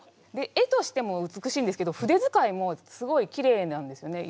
絵としても美しいんですけど筆づかいもすごいきれいなんですよね。